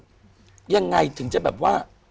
ยังไงถึงจะแบบว่า